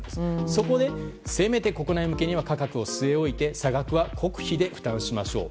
そこでせめて国内向けには価格を据え置いて差額は国費で負担しましょう。